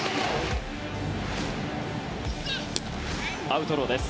アウトローです。